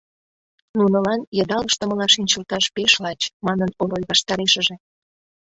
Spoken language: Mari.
Нунылан йыдал ыштымыла шинчылташ пеш лач, — манын Орой ваштарешыже.